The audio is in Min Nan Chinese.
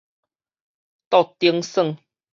桌頂耍